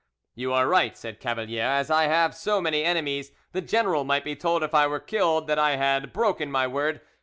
"You are right," said Cavalier; "as I have so many enemies, the general might be told if I were killed that I had broken my word.